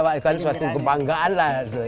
waktu itu kan suatu kebanggaan lah